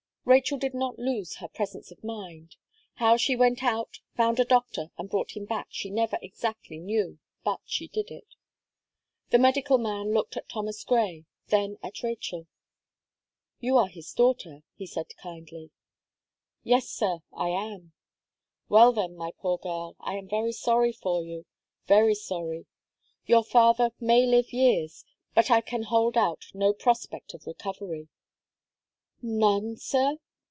Rachel did not lose her presence of mind. How she went out, found a doctor, and brought him back, she never exactly knew; but she did it. The medical man looked at Thomas Gray, then at Rachel. "You are his daughter," he said, kindly. "Yes, sir, I am." "Well, then, my poor girl, I am very sorry for you very sorry. Your father may live years but I can hold out no prospect of recovery." "None, sir?"